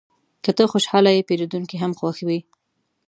که ته خوشحاله یې، پیرودونکی هم خوښ وي.